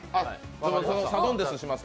サドンデスします。